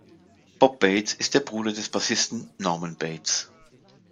Bob Bates ist der Bruder des Bassisten Norman Bates.